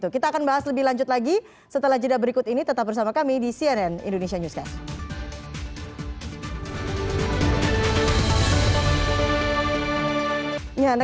kita akan bahas lebih lanjut lagi setelah jeda berikut ini tetap bersama kami di cnn indonesia newscast